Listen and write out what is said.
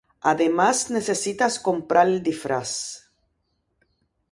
Además necesitas comprar el disfraz.